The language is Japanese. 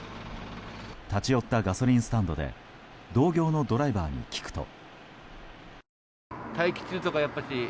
立ち寄ったガソリンスタンドで同業のドライバーに聞くと。